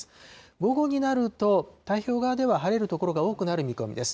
午後になると、太平洋側では晴れる所が多くなる見込みです。